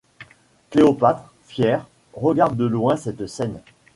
Cléopâtre, fière, regarde de loin cette scène.